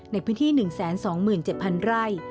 ในพื้นที่๑๒๗๐๐ไร่